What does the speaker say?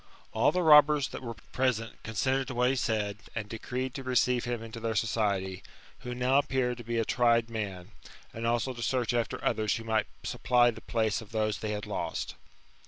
All the robbers that were present, assented to what he said, and decreed to receive him into their society, who now appeared to be a tried man, and also to search after others who might supply the place of those they had lost.